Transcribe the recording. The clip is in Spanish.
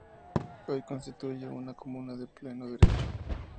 Hoy constituye una comuna de pleno derecho.